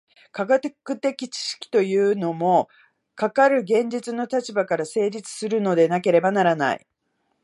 科学的知識というのも、かかる現実の立場から成立するのでなければならない。